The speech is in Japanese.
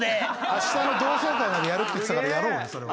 明日の同窓会までやるって言ってたからやろうよそれは。